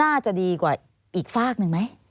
น่าจะดีกว่าอีกฝากหนึ่งไหม